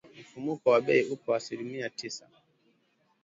Mfumuko wa bei uko asilimia sita